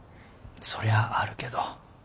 そりゃあるけど。